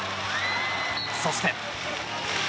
そして。